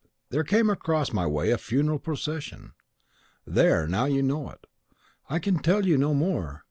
there came across my way a funeral procession! There, now you know it; I can tell you no more.